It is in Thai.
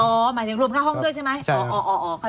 หมายถึงรวมค่าห้องด้วยใช่ไหม